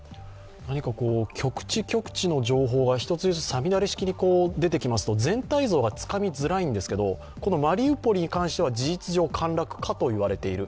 局地局地の情報が一つ一つさみだれ式に出てきますと全体像がつかみづらいんですけどマリウポリに関しては事実上、陥落かと言われている。